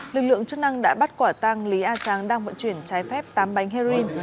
lực lượng chức năng đã bắt quả tăng lý a trắng đang vận chuyển trái phép tám bánh heroin